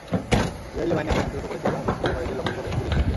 Israeli বাহিনী হামলা প্রতিহত করেছে এবং দুষ্কৃতকারীদের লক্ষ্য করে গুলি ছুড়েছে।